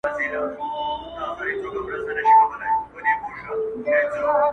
يو ځاى يې چوټي كه كنه دا به دود سي دې ښار كي.